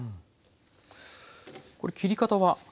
これ切り方は？